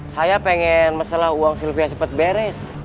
saya pengen masalah uang sylvia sempat beres